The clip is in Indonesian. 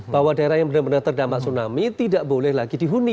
bahwa daerah yang benar benar terdampak tsunami tidak boleh lagi dihuni